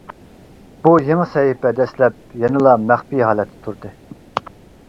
بۇ يېڭى سەھىپە دەسلەپ يەنىلا مەخپىي ھالەتتە تۇردى.